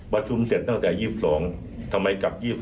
ประชุมเสร็จตั้งแต่๒๒ทำไมกลับ๒๖